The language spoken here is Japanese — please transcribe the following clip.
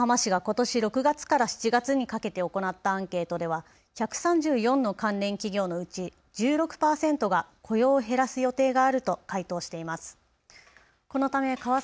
川崎市と横浜市がことし６月から７月にかけて行ったアンケートでは１３４の関連企業のうち１６％が雇用を減らす予定があると回答しています。